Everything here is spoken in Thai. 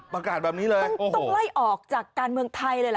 ประกาศแบบนี้เลยต้องไล่ออกจากการเมืองไทยเลยเหรอ